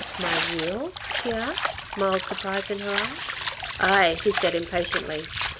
"My wheel?" she asked, mild surprise in her eyes. "Aye," he said impatiently.